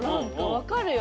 分かるよ。